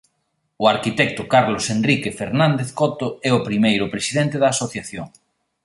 O arquitecto Carlos Henrique Fernández Coto é o primeiro presidente da asociación.